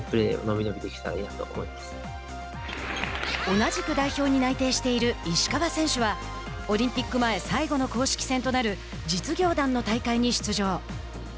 同じく代表に内定している石川選手はオリンピック前最後の公式戦となる実業団の大会に出場。